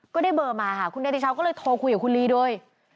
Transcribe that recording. ก็ได้เบอร์มาค่ะคุณเนติชาวก็เลยโทรคุยกับคุณลีโดย